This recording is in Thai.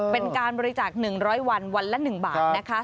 เป็นการบริจาค๑๐๐วันวันละ๑บาทนะคะ